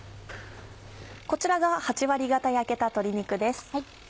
こちらが８割がた焼けた鶏肉です。